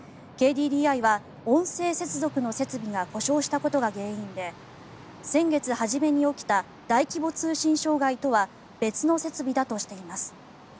ＫＤＤＩは音声接続の設備が故障したことが原因で先月初めに起きた大規模通信障害とは別の設備だとしています。